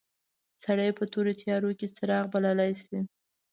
سړی یې په تورو تیارو کې څراغ بللای شي.